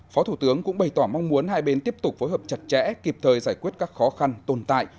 phó thủ tướng cũng bày tỏ mong muốn hai bên tiếp tục phối hợp chặt chẽ kịp thời giải quyết các khó khăn tồn tại